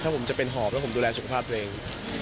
ถ้าจะผมแลกกินเขาดูแลสุขภาพตัวเอง